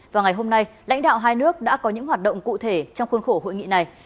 và ngày hôm nay lãnh đạo hai nước đã có những hoạt động cụ thể trong khuôn khổ hội nghị này